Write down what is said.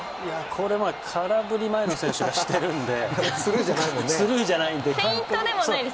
これは空振り前の選手がしているんでスルーじゃないんで。